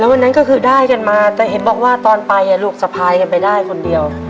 วันนั้นก็คือได้กันมาแต่เห็นบอกว่าตอนไปลูกสะพายกันไปได้คนเดียว